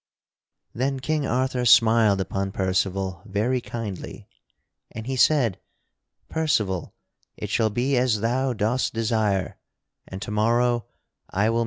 Then King Arthur smiled upon Percival very kindly, and he said: "Percival, it shall be as thou dost desire, and to morrow I will make thee a knight."